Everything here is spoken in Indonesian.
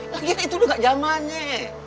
lagian itu udah nggak jamannya